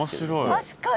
確かに。